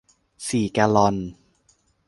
สี่แกลลอน